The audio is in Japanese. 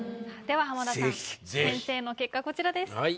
では浜田さん先生の結果こちらです。